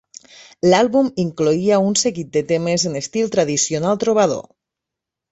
L'àlbum incloïa un seguit de temes en estil tradicional trobador.